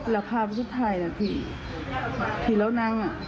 แล้วภาพสุดท้ายนะที่แล้วนั่งอ่ะ